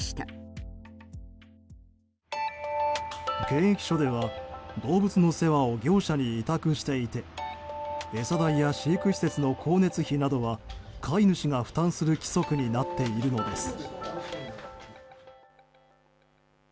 検疫所では動物の世話を業者に委託していて餌代や飼育施設の光熱費などは飼い主が負担する規則になっているのです。